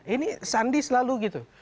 ini sandi selalu gitu